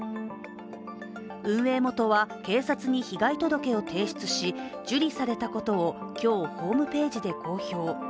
運営元は、警察に被害届を提出し受理されたことを、今日、ホームページで公表。